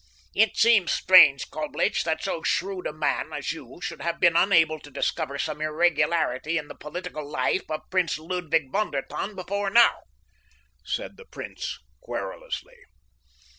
"It seems strange, Coblich, that so shrewd a man as you should have been unable to discover some irregularity in the political life of Prince Ludwig von der Tann before now," said the prince querulously.